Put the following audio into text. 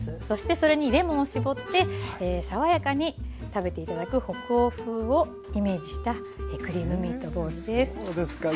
そしてそれにレモンを搾って爽やかに食べて頂く北欧風をイメージしたクリームミートボールです。